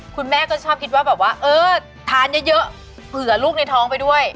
คุณแม่ก็ชอบคิดว่าแบบว่าเออทานเยอะเผื่อลูกในท้องไปด้วย